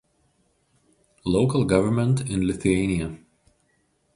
Local Government in Lithuania.